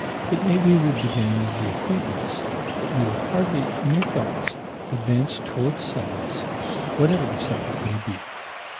It may be the beginning of the acquaintance, but you are hardly, in your thoughts, advanced towards science, whatever the subject may be."